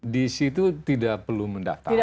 di situ tidak perlu mendaftar